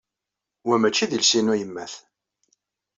Wa maci d iles-inu ayemmat.